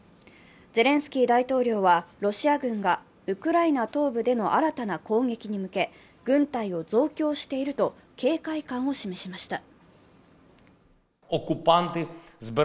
ゼレンスキー大統領はロシア軍がウクライナ東部での新たな攻撃に向け軍隊を増強していると警戒感を示しました。